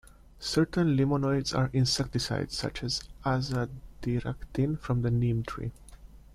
Certain limonoids are insecticides such as azadirachtin from the neem tree.